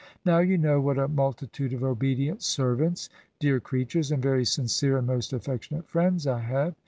Now you know what a multitude of obedient servants, dear creatures, and very sincere and most affectionate friends I have.